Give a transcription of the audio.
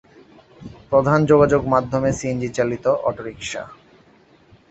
প্রধান যোগাযোগ মাধ্যমে সিএনজি চালিত অটোরিক্সা।